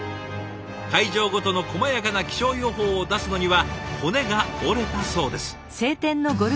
会場ごとのこまやかな気象予報を出すのには骨が折れたそうです。